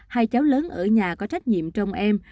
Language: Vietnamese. hai cháu lớn ở nhà có trách nhiệm trong em